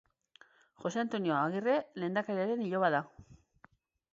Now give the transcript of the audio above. Jose Antonio Agirre lehendakariaren iloba da.